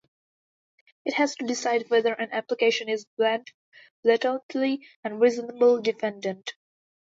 It has to decide whether an application is blatantly unreasonable defendant.